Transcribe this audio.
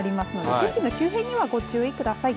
天気の急変にはご注意ください。